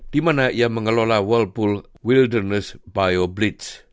di mana ia mengelola walpole wilderness bioblitz